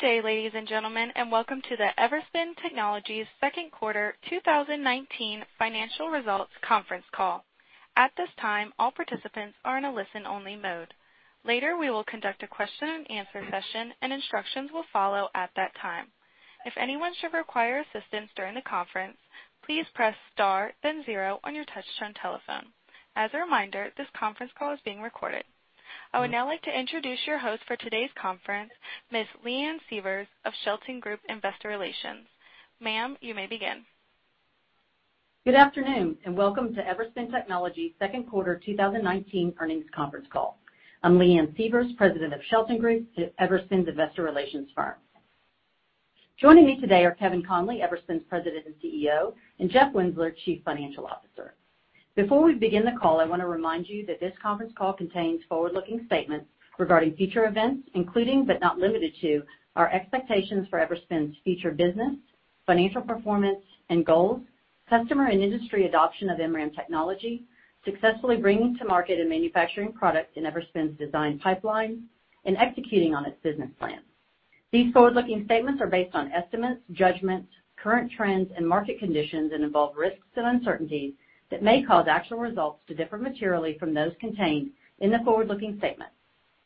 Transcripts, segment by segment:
Good day, ladies and gentlemen, and welcome to the Everspin Technologies second quarter 2019 financial results conference call. At this time, all participants are in a listen-only mode. Later, we will conduct a question and answer session, and instructions will follow at that time. If anyone should require assistance during the conference, please press star then zero on your touch-tone telephone. As a reminder, this conference call is being recorded. I would now like to introduce your host for today's conference, Ms. Leanne Sievers of Shelton Group Investor Relations. Ma'am, you may begin. Good afternoon, and welcome to Everspin Technologies second quarter 2019 earnings conference call. I'm Leanne Sievers, President of Shelton Group, Everspin's investor relations firm. Joining me today are Kevin Conley, Everspin's President and CEO, and Jeff Winzeler, Chief Financial Officer. Before we begin the call, I want to remind you that this conference call contains forward-looking statements regarding future events, including, but not limited to, our expectations for Everspin's future business, financial performance, and goals, customer and industry adoption of MRAM technology, successfully bringing to market and manufacturing products in Everspin's design pipeline, and executing on its business plan. These forward-looking statements are based on estimates, judgments, current trends, and market conditions and involve risks and uncertainties that may cause actual results to differ materially from those contained in the forward-looking statements.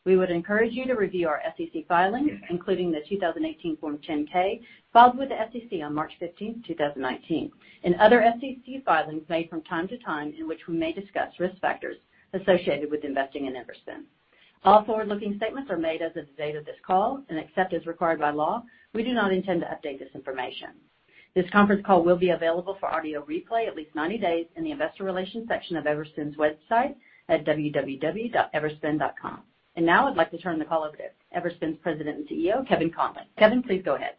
We would encourage you to review our SEC filings, including the 2018 Form 10-K filed with the SEC on March 15th, 2019, and other SEC filings made from time to time in which we may discuss risk factors associated with investing in Everspin. All forward-looking statements are made as of the date of this call, and except as required by law, we do not intend to update this information. This conference call will be available for audio replay at least 90 days in the investor relations section of Everspin's website at www.everspin.com. Now I'd like to turn the call over to Everspin's President and CEO, Kevin Conley. Kevin, please go ahead.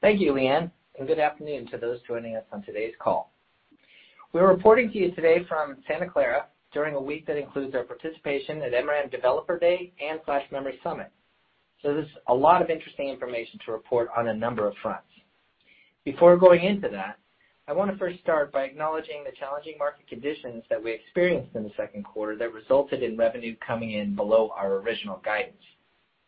Thank you, Leanne. Good afternoon to those joining us on today's call. We're reporting to you today from Santa Clara during a week that includes our participation at MRAM Developer Day and Flash Memory Summit. There's a lot of interesting information to report on a number of fronts. Before going into that, I want to first start by acknowledging the challenging market conditions that we experienced in the second quarter that resulted in revenue coming in below our original guidance.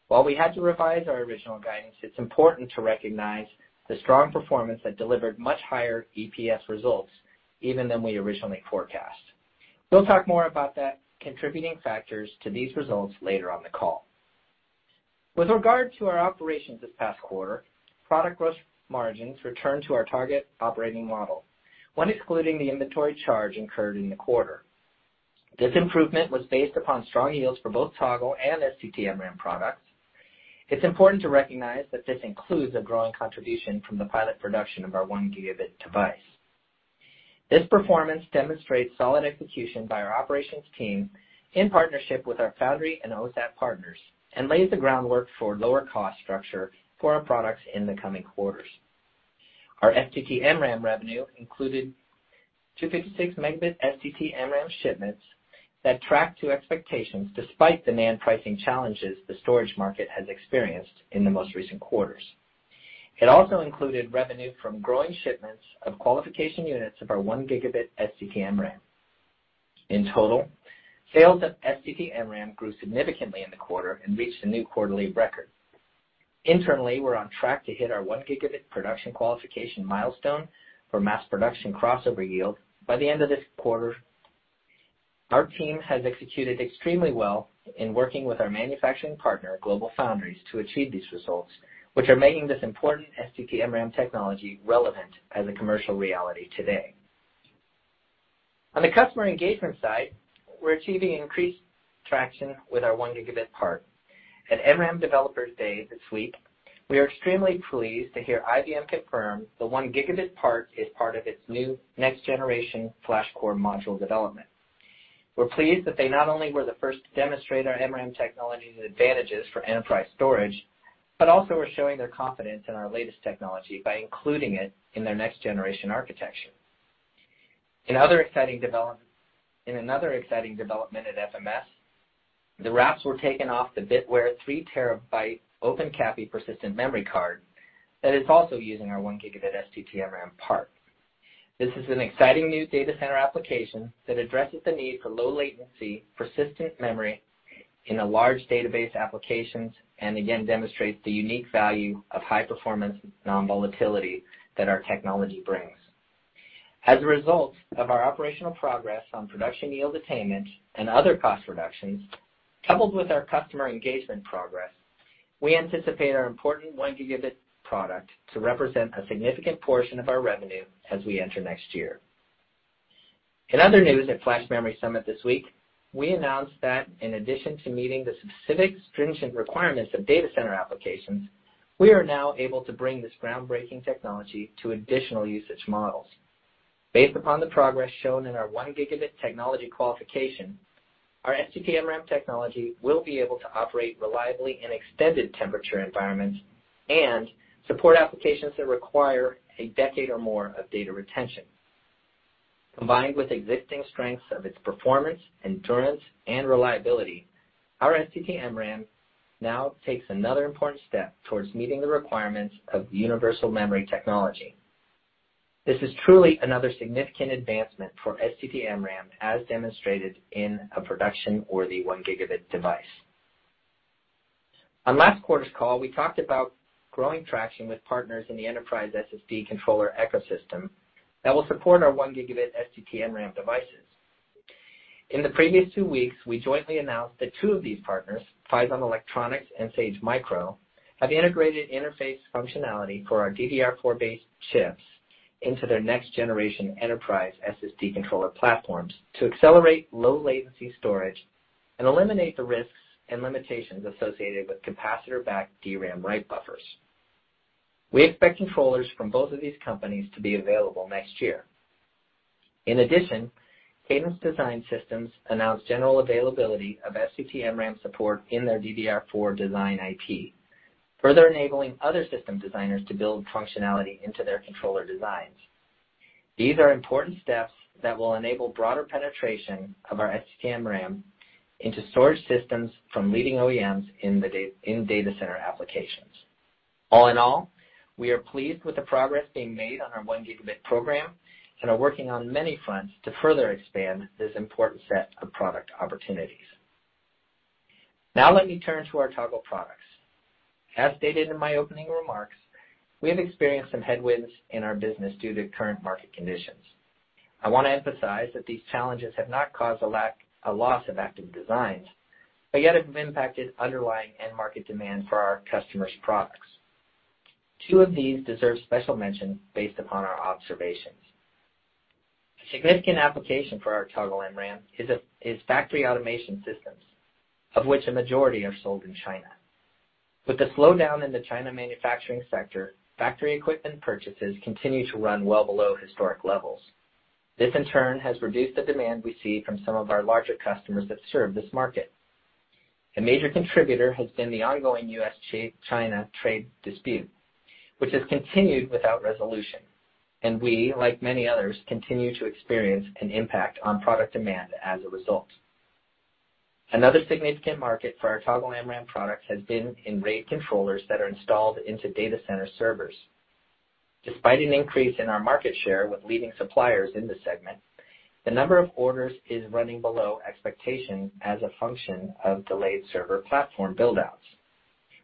While we had to revise our original guidance, it's important to recognize the strong performance that delivered much higher EPS results even than we originally forecast. We'll talk more about the contributing factors to these results later on the call. With regard to our operations this past quarter, product gross margins returned to our target operating model when excluding the inventory charge incurred in the quarter. This improvement was based upon strong yields for both Toggle and STT-MRAM products. It's important to recognize that this includes a growing contribution from the pilot production of our one gigabit device. This performance demonstrates solid execution by our operations team in partnership with our foundry and OSAT partners and lays the groundwork for a lower cost structure for our products in the coming quarters. Our STT-MRAM revenue included 256 megabit STT-MRAM shipments that tracked to expectations despite the NAND pricing challenges the storage market has experienced in the most recent quarters. It also included revenue from growing shipments of qualification units of our one gigabit STT-MRAM. In total, sales of STT-MRAM grew significantly in the quarter and reached a new quarterly record. Internally, we're on track to hit our one gigabit production qualification milestone for mass production crossover yield by the end of this quarter. Our team has executed extremely well in working with our manufacturing partner, GlobalFoundries, to achieve these results, which are making this important STT-MRAM technology relevant as a commercial reality today. On the customer engagement side, we're achieving increased traction with our one gigabit part. At MRAM Developer Day this week, we are extremely pleased to hear IBM confirm the one gigabit part is part of its new next generation FlashCore Module development. We're pleased that they not only were the first to demonstrate our MRAM technology's advantages for enterprise storage, but also are showing their confidence in our latest technology by including it in their next-generation architecture. In another exciting development at FMS, the wraps were taken off the BittWare three terabyte OpenCAPI persistent memory card that is also using our one gigabit STT-MRAM part. This is an exciting new data center application that addresses the need for low latency persistent memory in large database applications and again demonstrates the unique value of high-performance non-volatility that our technology brings. As a result of our operational progress on production yield attainment and other cost reductions, coupled with our customer engagement progress, we anticipate our important one gigabit product to represent a significant portion of our revenue as we enter next year. In other news, at Flash Memory Summit this week, we announced that in addition to meeting the specific stringent requirements of data center applications, we are now able to bring this groundbreaking technology to additional usage models. Based upon the progress shown in our one gigabit technology qualification, our STT-MRAM technology will be able to operate reliably in extended temperature environments and support applications that require 10 years or more of data retention. Combined with existing strengths of its performance, endurance, and reliability, our STT-MRAM now takes another important step towards meeting the requirements of the universal memory technology. This is truly another significant advancement for STT-MRAM, as demonstrated in a production-worthy one gigabit device. On last quarter's call, we talked about growing traction with partners in the enterprise SSD controller ecosystem that will support our one gigabit STT-MRAM devices. In the previous two weeks, we jointly announced that two of these partners, Phison Electronics and Sage Micro, have integrated interface functionality for our DDR4-based chips into their next-generation enterprise SSD controller platforms to accelerate low latency storage and eliminate the risks and limitations associated with capacitor-backed DRAM write buffers. We expect controllers from both of these companies to be available next year. In addition, Cadence Design Systems announced general availability of STT-MRAM support in their DDR4 design IP, further enabling other system designers to build functionality into their controller designs. These are important steps that will enable broader penetration of our STT-MRAM into storage systems from leading OEMs in data center applications. All in all, we are pleased with the progress being made on our one gigabit program and are working on many fronts to further expand this important set of product opportunities. Now let me turn to our Toggle products. As stated in my opening remarks, we have experienced some headwinds in our business due to current market conditions. I want to emphasize that these challenges have not caused a loss of active designs, but yet have impacted underlying end market demand for our customers' products. Two of these deserve special mention based upon our observations. A significant application for our Toggle MRAM is factory automation systems, of which a majority are sold in China. With the slowdown in the China manufacturing sector, factory equipment purchases continue to run well below historic levels. This, in turn, has reduced the demand we see from some of our larger customers that serve this market. A major contributor has been the ongoing U.S.-China trade dispute, which has continued without resolution, and we, like many others, continue to experience an impact on product demand as a result. Another significant market for our Toggle MRAM products has been in RAID controllers that are installed into data center servers. Despite an increase in our market share with leading suppliers in this segment, the number of orders is running below expectations as a function of delayed server platform build-outs.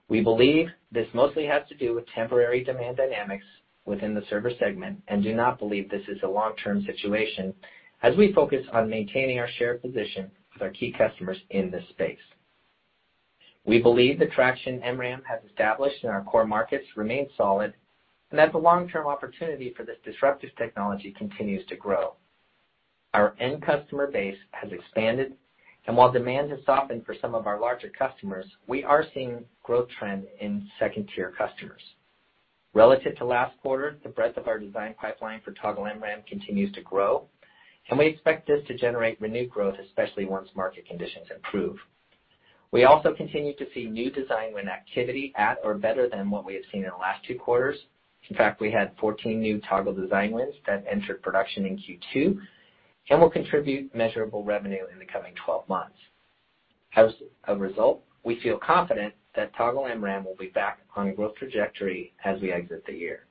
We believe this mostly has to do with temporary demand dynamics within the server segment and do not believe this is a long-term situation as we focus on maintaining our share position with our key customers in this space. We believe the traction MRAM has established in our core markets remains solid and that the long-term opportunity for this disruptive technology continues to grow. Our end customer base has expanded, and while demand has softened for some of our larger customers, we are seeing growth trend in 2nd-tier customers. Relative to last quarter, the breadth of our design pipeline for Toggle MRAM continues to grow, and we expect this to generate renewed growth, especially once market conditions improve. We also continue to see new design win activity at or better than what we have seen in the last two quarters. In fact, we had 14 new Toggle design wins that entered production in Q2 and will contribute measurable revenue in the coming 12 months. As a result, we feel confident that Toggle MRAM will be back on a growth trajectory as we exit the year.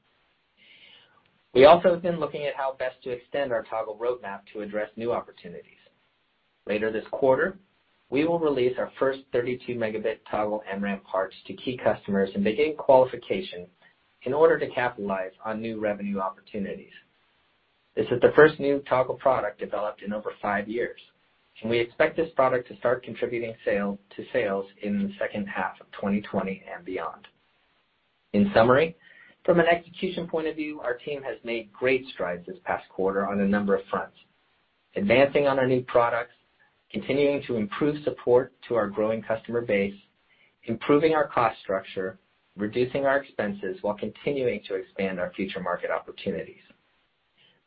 We also have been looking at how best to extend our Toggle roadmap to address new opportunities. Later this quarter, we will release our first 32-megabit Toggle MRAM parts to key customers and begin qualification in order to capitalize on new revenue opportunities. This is the first new Toggle product developed in over five years, and we expect this product to start contributing to sales in the second half of 2020 and beyond. In summary, from an execution point of view, our team has made great strides this past quarter on a number of fronts, advancing on our new products, continuing to improve support to our growing customer base, improving our cost structure, reducing our expenses while continuing to expand our future market opportunities.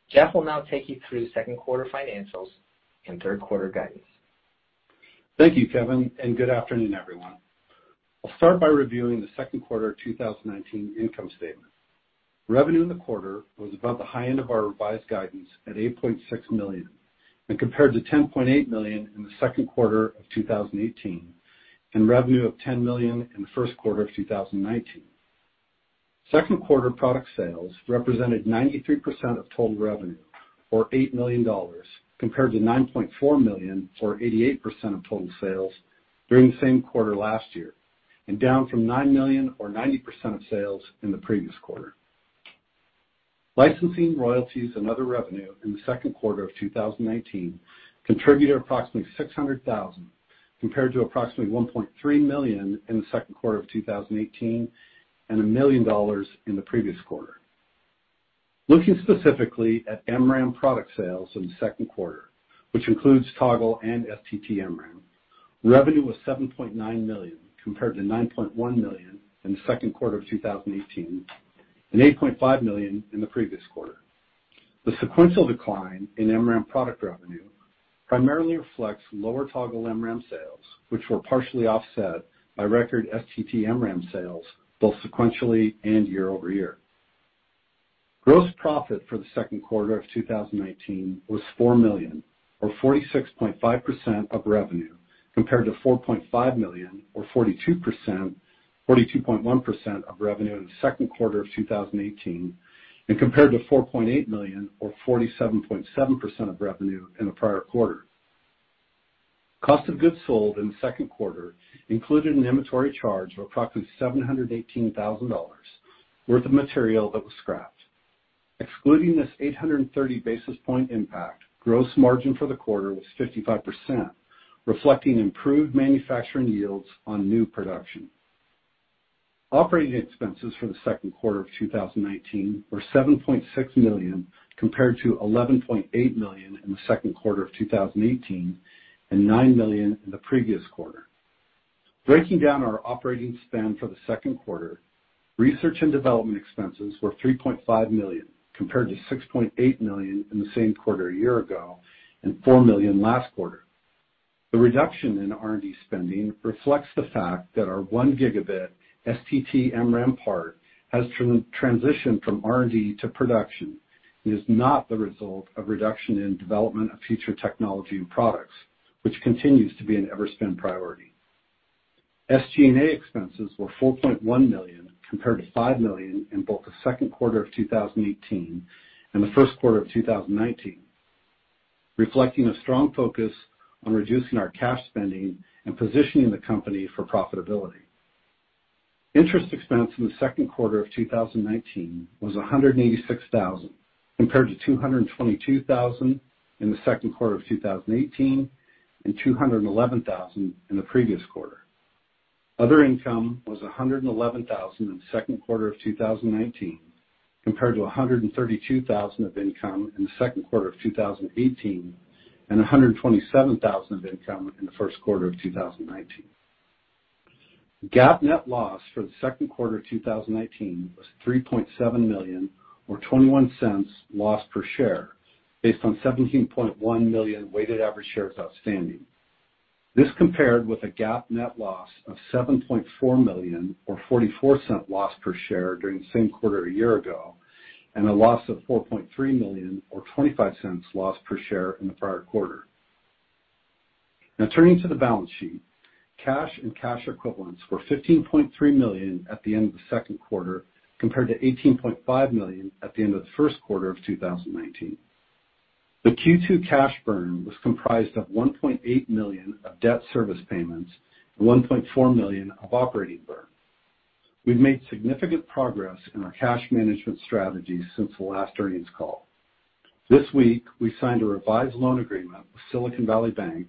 Jeff will now take you through second quarter financials and third quarter guidance. Thank you, Kevin. Good afternoon, everyone. I'll start by reviewing the second quarter 2019 income statement. Revenue in the quarter was about the high end of our revised guidance at $8.6 million and compared to $10.8 million in the second quarter of 2018 and revenue of $10 million in the first quarter of 2019. Second quarter product sales represented 93% of total revenue, or $8 million, compared to $9.4 million or 88% of total sales during the same quarter last year, and down from $9 million or 90% of sales in the previous quarter. Licensing royalties and other revenue in the second quarter of 2019 contributed approximately $600,000, compared to approximately $1.3 million in the second quarter of 2018 and $1 million in the previous quarter. Looking specifically at MRAM product sales in the second quarter, which includes Toggle MRAM and STT-MRAM, revenue was $7.9 million, compared to $9.1 million in the second quarter of 2018 and $8.5 million in the previous quarter. The sequential decline in MRAM product revenue primarily reflects lower Toggle MRAM sales, which were partially offset by record STT-MRAM sales, both sequentially and year-over-year. Gross profit for the second quarter of 2019 was $4 million or 46.5% of revenue. Compared to $4.5 million or 42.1% of revenue in the second quarter of 2018, and compared to $4.8 million or 47.7% of revenue in the prior quarter. Cost of goods sold in the second quarter included an inventory charge of approximately $718,000 worth of material that was scrapped. Excluding this 830 basis point impact, gross margin for the quarter was 55%, reflecting improved manufacturing yields on new production. Operating expenses for the second quarter of 2019 were $7.6 million, compared to $11.8 million in the second quarter of 2018, and $9 million in the previous quarter. Breaking down our operating spend for the second quarter, research and development expenses were $3.5 million, compared to $6.8 million in the same quarter a year ago, and $4 million last quarter. The reduction in R&D spending reflects the fact that our one gigabit STT-MRAM part has transitioned from R&D to production and is not the result of reduction in development of future technology and products, which continues to be an Everspin priority. SG&A expenses were $4.1 million, compared to $5 million in both the second quarter of 2018 and the first quarter of 2019, reflecting a strong focus on reducing our cash spending and positioning the company for profitability. Interest expense in the second quarter of 2019 was $186,000, compared to $222,000 in the second quarter of 2018, and $211,000 in the previous quarter. Other income was $111,000 in the second quarter of 2019, compared to $132,000 of income in the second quarter of 2018, and $127,000 of income in the first quarter of 2019. GAAP net loss for the second quarter 2019 was $3.7 million or $0.21 loss per share based on 17.1 million weighted average shares outstanding. This compared with a GAAP net loss of $7.4 million or $0.44 loss per share during the same quarter a year ago, and a loss of $4.3 million or $0.25 loss per share in the prior quarter. Now turning to the balance sheet. Cash and cash equivalents were $15.3 million at the end of the second quarter, compared to $18.5 million at the end of the first quarter of 2019. The Q2 cash burn was comprised of $1.8 million of debt service payments and $1.4 million of operating burn. We've made significant progress in our cash management strategy since the last earnings call. This week, we signed a revised loan agreement with Silicon Valley Bank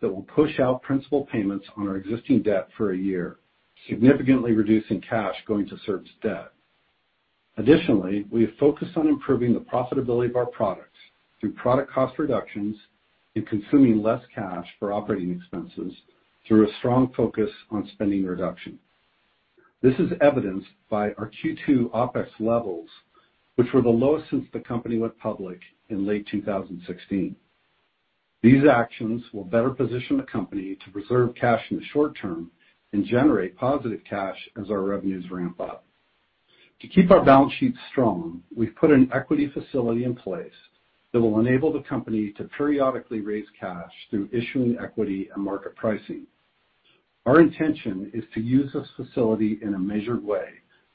that will push out principal payments on our existing debt for a year, significantly reducing cash going to service debt. Additionally, we have focused on improving the profitability of our products through product cost reductions and consuming less cash for operating expenses through a strong focus on spending reduction. This is evidenced by our Q2 OpEx levels, which were the lowest since the company went public in late 2016. These actions will better position the company to preserve cash in the short term and generate positive cash as our revenues ramp up. To keep our balance sheet strong, we've put an equity facility in place that will enable the company to periodically raise cash through issuing equity and market pricing. Our intention is to use this facility in a measured way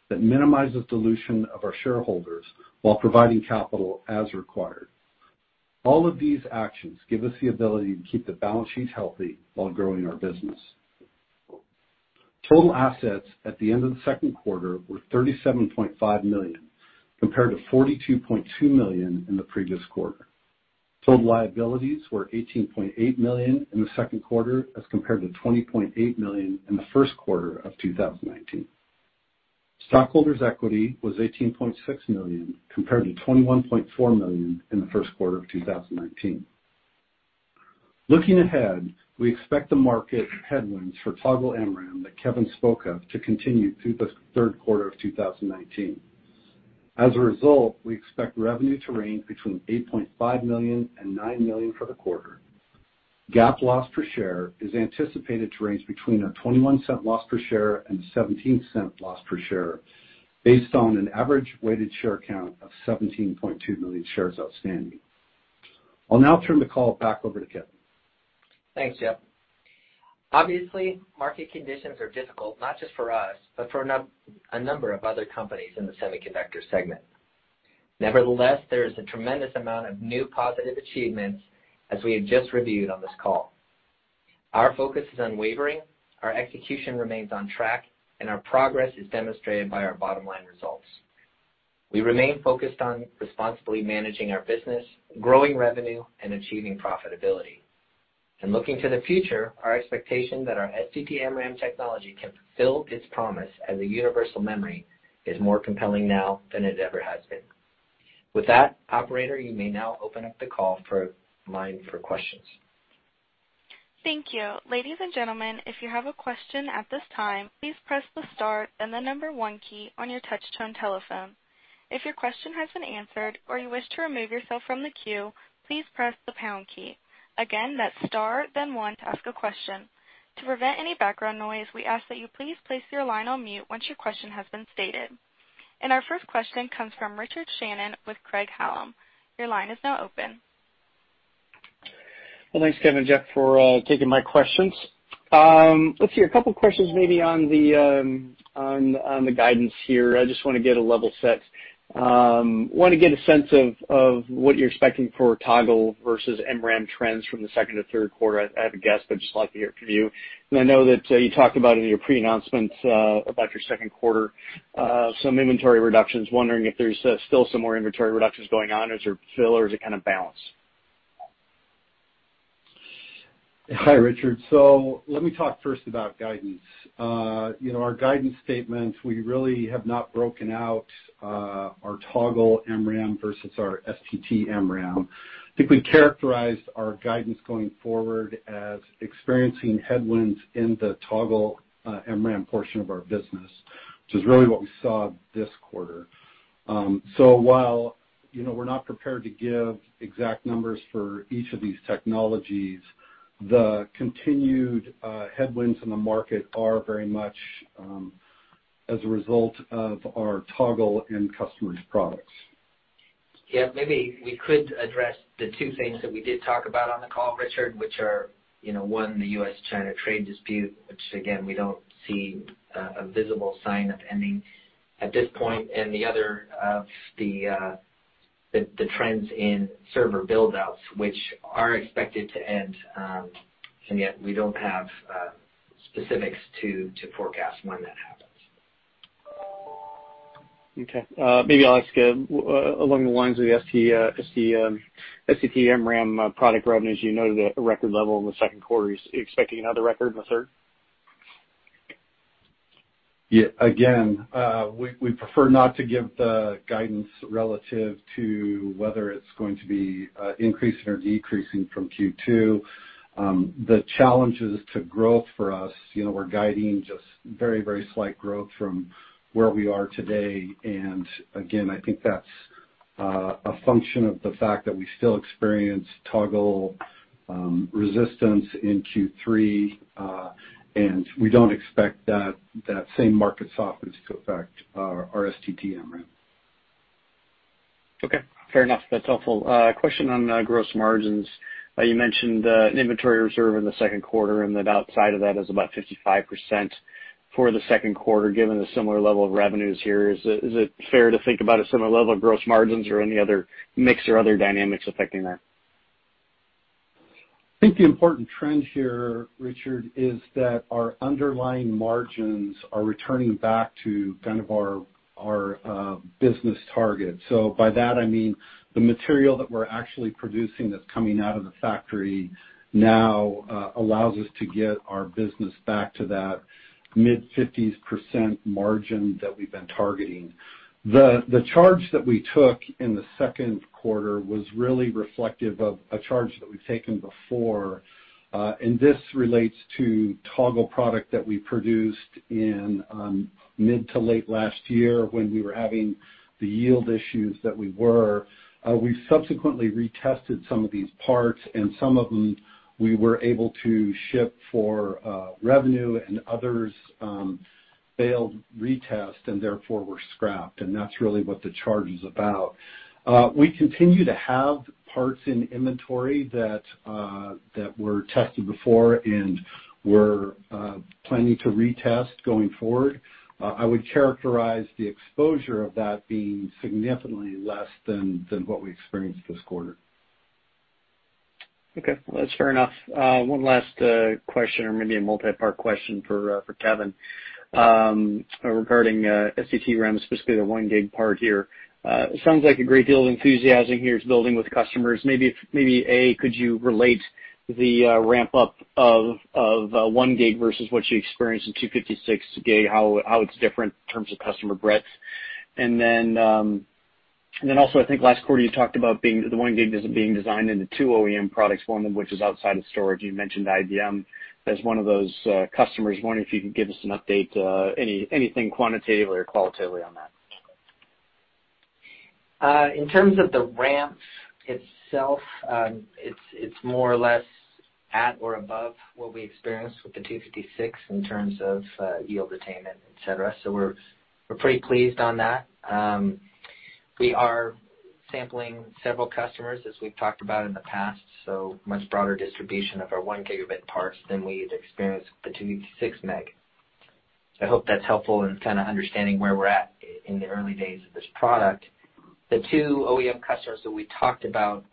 that minimizes dilution of our shareholders while providing capital as required. All of these actions give us the ability to keep the balance sheet healthy while growing our business. Total assets at the end of the second quarter were $37.5 million, compared to $42.2 million in the previous quarter. Total liabilities were $18.8 million in the second quarter as compared to $20.8 million in the first quarter of 2019. Stockholders' equity was $18.6 million, compared to $21.4 million in the first quarter of 2019. Looking ahead, we expect the market headwinds for Toggle MRAM that Kevin spoke of to continue through the third quarter of 2019. As a result, we expect revenue to range between $8.5 million and $9 million for the quarter. GAAP loss per share is anticipated to range between a $0.21 loss per share and $0.17 loss per share based on an average weighted share count of 17.2 million shares outstanding. I'll now turn the call back over to Kevin. Thanks, Jeff. Obviously, market conditions are difficult, not just for us, but for a number of other companies in the semiconductor segment. Nevertheless, there is a tremendous amount of new positive achievements, as we have just reviewed on this call. Our focus is unwavering, our execution remains on track, and our progress is demonstrated by our bottom-line results. We remain focused on responsibly managing our business, growing revenue, and achieving profitability. Looking to the future, our expectation that our STT-MRAM technology can fulfill its promise as a universal memory is more compelling now than it ever has been. With that, operator, you may now open up the call for questions. Thank you. Ladies and gentlemen, if you have a question at this time, please press the star then the number one key on your touch tone telephone. If your question has been answered or you wish to remove yourself from the queue, please press the pound key. Again, that's star then one to ask a question. To prevent any background noise, we ask that you please place your line on mute once your question has been stated. Our first question comes from Richard Shannon with Craig-Hallum. Your line is now open. Well, thanks, Kevin and Jeff, for taking my questions. Let's see. A couple questions maybe on the guidance here. I just want to get a level set. I want to get a sense of what you're expecting for Toggle versus MRAM trends from the second to third quarter. I have a guess, but I just like to hear it from you. I know that you talked about in your pre-announcement, about your second quarter, some inventory reductions. I am wondering if there's still some more inventory reductions going on. Is there still, or is it kind of balanced? Hi, Richard. Let me talk first about guidance. Our guidance statement, we really have not broken out our Toggle MRAM versus our STT-MRAM. I think we characterized our guidance going forward as experiencing headwinds in the Toggle MRAM portion of our business, which is really what we saw this quarter. While we're not prepared to give exact numbers for each of these technologies, the continued headwinds in the market are very much as a result of our Toggle end customers products. Yeah, maybe we could address the two things that we did talk about on the call, Richard, which are, one, the U.S.-China trade dispute, which again, we don't see a visible sign of ending at this point, and the other, the trends in server build-outs, which are expected to end, and yet we don't have specifics to forecast when that happens. Okay. Maybe I'll ask along the lines of the STT-MRAM product revenue, as you noted, at a record level in the second quarter. Are you expecting another record in the third? Yeah. Again, we prefer not to give the guidance relative to whether it's going to be increasing or decreasing from Q2. The challenges to growth for us, we're guiding just very slight growth from where we are today, and again, I think that's a function of the fact that we still experience Toggle resistance in Q3. We don't expect that same market softness to affect our STT-MRAM. Okay. Fair enough. That's helpful. A question on gross margins. You mentioned an inventory reserve in the second quarter, and that outside of that is about 55% for the second quarter, given the similar level of revenues here. Is it fair to think about a similar level of gross margins or any other mix or other dynamics affecting that? I think the important trend here, Richard, is that our underlying margins are returning back to kind of our business target. By that I mean the material that we're actually producing that's coming out of the factory now allows us to get our business back to that mid-50s% margin that we've been targeting. The charge that we took in the second quarter was really reflective of a charge that we've taken before. This relates to Toggle product that we produced in mid to late last year when we were having the yield issues that we were. We subsequently retested some of these parts, and some of them we were able to ship for revenue, and others failed retest and therefore were scrapped. That's really what the charge is about. We continue to have parts in inventory that were tested before and we're planning to retest going forward. I would characterize the exposure of that being significantly less than what we experienced this quarter. Okay. Well, that's fair enough. One last question or maybe a multipart question for Kevin, regarding STT-MRAM, specifically the 1 gig part here. It sounds like a great deal of enthusiasm here is building with customers. Maybe, A, could you relate the ramp-up of 1 gig versus what you experienced in 256 gig, how it's different in terms of customer breadth? Also, I think last quarter you talked about the 1 gig as being designed into two OEM products, one of which is outside of storage. You mentioned IBM as one of those customers. Wondering if you could give us an update, anything quantitatively or qualitatively on that? In terms of the ramp itself, it's more or less at or above what we experienced with the 256 in terms of yield attainment, et cetera. We're pretty pleased on that. We are sampling several customers, as we've talked about in the past, much broader distribution of our 1 gigabit parts than we had experienced with the 256 meg. I hope that's helpful in kind of understanding where we're at in the early days of this product. The two OEM customers that we talked about,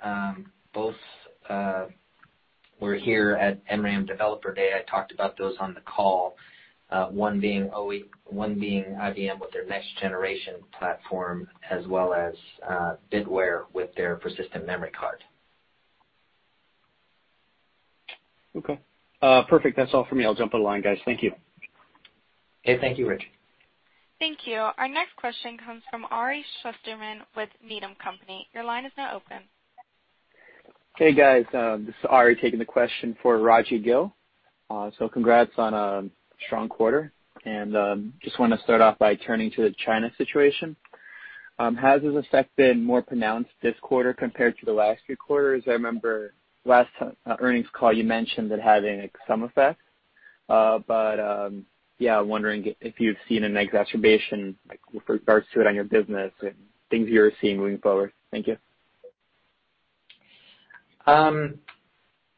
both were here at MRAM Developer Day. I talked about those on the call, one being IBM with their next generation platform, as well as BittWare with their persistent memory card. Okay. Perfect. That's all for me. I'll jump off the line, guys. Thank you. Okay. Thank you, Richard. Thank you. Our next question comes from Ari Shusterman with Needham & Company. Your line is now open. Hey, guys. This is Ari taking the question for Rajvi Gill. Congrats on a strong quarter, and just want to start off by turning to the China situation. Has this effect been more pronounced this quarter compared to the last few quarters? I remember last earnings call you mentioned it having some effect. Yeah, wondering if you've seen an exacerbation with regards to it on your business and things you're seeing moving forward. Thank you.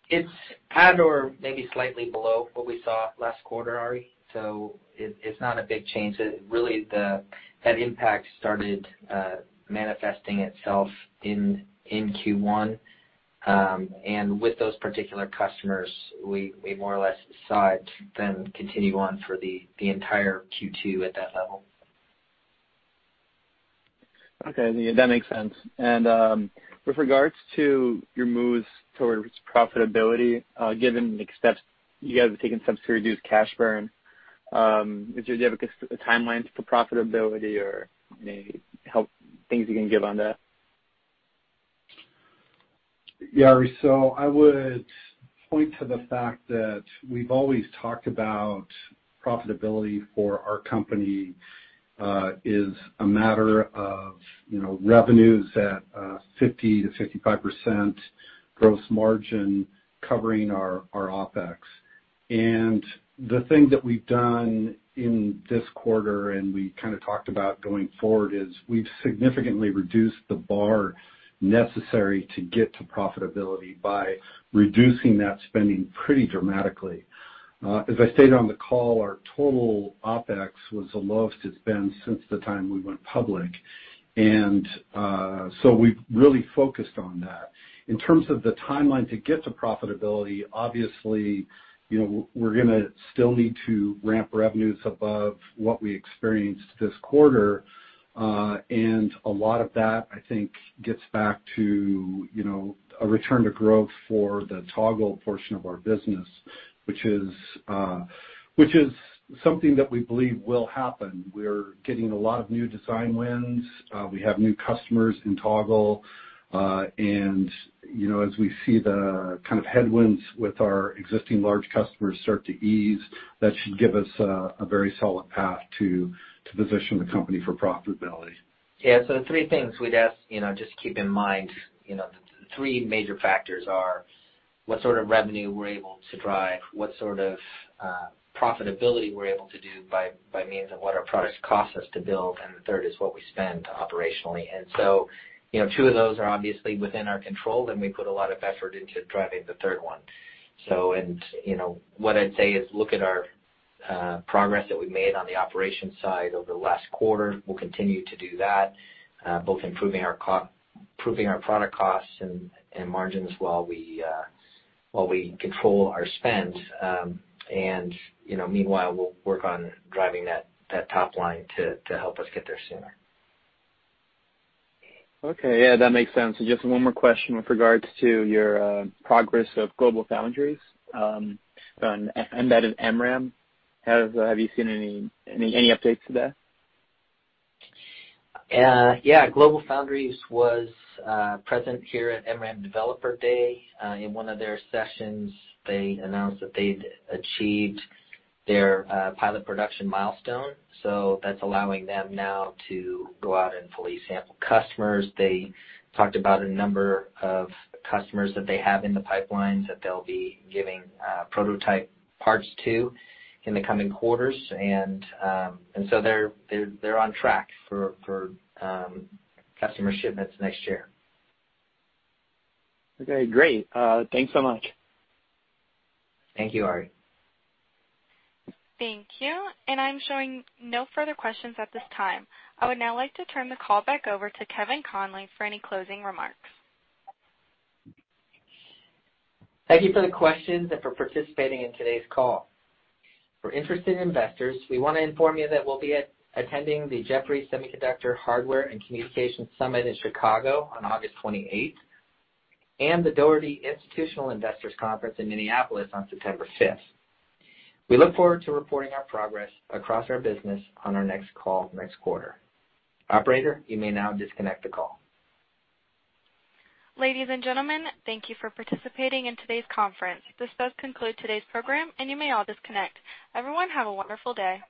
It's at or maybe slightly below what we saw last quarter, Ari, so it's not a big change. Really, that impact started manifesting itself in Q1. With those particular customers, we more or less saw it then continue on for the entire Q2 at that level. Okay. Yeah, that makes sense. With regards to your moves towards profitability, given the steps you guys have taken to reduce cash burn, do you have a timeline for profitability or maybe things you can give on that? Ari, I would point to the fact that we've always talked about profitability for our company is a matter of revenues at 50%-55% gross margin covering our OpEx. The thing that we've done in this quarter, and we kind of talked about going forward, is we've significantly reduced the bar necessary to get to profitability by reducing that spending pretty dramatically. As I stated on the call, our total OpEx was the lowest it's been since the time we went public. We've really focused on that. In terms of the timeline to get to profitability, obviously, we're going to still need to ramp revenues above what we experienced this quarter. A lot of that, I think, gets back to a return to growth for the Toggle portion of our business, which is something that we believe will happen. We're getting a lot of new design wins. We have new customers in Toggle. As we see the kind of headwinds with our existing large customers start to ease, that should give us a very solid path to position the company for profitability. Yeah. The three things we'd ask, just keep in mind, the three major factors are what sort of revenue we're able to drive, what sort of profitability we're able to do by means of what our products cost us to build, and the third is what we spend operationally. Two of those are obviously within our control, and we put a lot of effort into driving the third one. What I'd say is look at our progress that we've made on the operations side over the last quarter. We'll continue to do that, both improving our product costs and margins while we control our spend. Meanwhile, we'll work on driving that top line to help us get there sooner. Okay. Yeah, that makes sense. Just one more question with regards to your progress of GlobalFoundries, and that is MRAM. Have you seen any updates to that? Yeah. GlobalFoundries was present here at MRAM Developer Day. In one of their sessions, they announced that they'd achieved their pilot production milestone. That's allowing them now to go out and fully sample customers. They talked about a number of customers that they have in the pipeline that they'll be giving prototype parts to in the coming quarters. They're on track for customer shipments next year. Okay, great. Thanks so much. Thank you, Ari. Thank you. I'm showing no further questions at this time. I would now like to turn the call back over to Kevin Conley for any closing remarks. Thank you for the questions and for participating in today's call. For interested investors, we want to inform you that we'll be attending the Jefferies Semiconductor, Hardware and Communications Infrastructure Summit in Chicago on August 28th and the Dougherty & Company Institutional Investor Conference in Minneapolis on September 5th. We look forward to reporting our progress across our business on our next call next quarter. Operator, you may now disconnect the call. Ladies and gentlemen, thank you for participating in today's conference. This does conclude today's program, and you may all disconnect. Everyone, have a wonderful day.